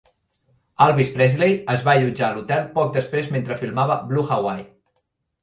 Elvis Presley es va allotjar a l'hotel poc després mentre filmava "Blue Hawaii".